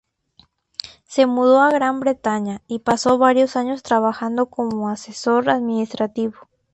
Se mudó a Gran Bretaña y pasó varios años trabajando como asesor administrativo.